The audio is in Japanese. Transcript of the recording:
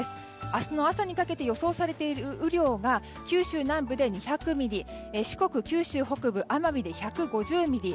明日の朝にかけて予想されている雨量が九州南部で２００ミリ四国、九州北部奄美で１５０ミリ